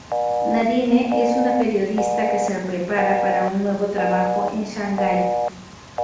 Nadine es una periodista que se prepara para un nuevo trabajo en Shanghái.